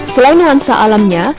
selain nuansa alamnya